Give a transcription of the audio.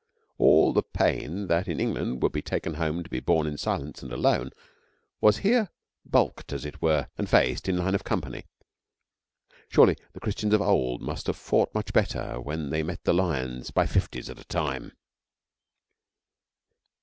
All the pain that in England would be taken home to be borne in silence and alone was here bulked, as it were, and faced in line of company. Surely the Christians of old must have fought much better when they met the lions by fifties at a time.